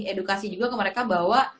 edukasi juga ke mereka bahwa